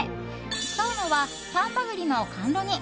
使うのは丹波栗の甘露煮。